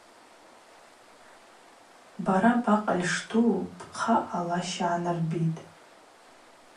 Бара бакъыль шдуу, бхъа алаща йгӏанарбитӏ.